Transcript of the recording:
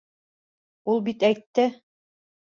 Ул бит әйтте!